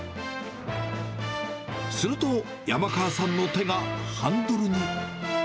すると、山川さんの手がハンドルに。